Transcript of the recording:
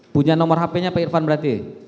punya nomor hp nya pak irfan berarti